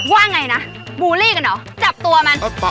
ว่าไงนะบูลลี่กันเหรอจับตัวมัน